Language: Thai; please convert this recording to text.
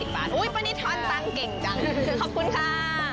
ปานิตทอดตั้งเก่งจังขอบคุณค่ะ